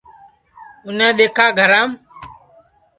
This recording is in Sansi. اُنیں دؔیکھا گھرام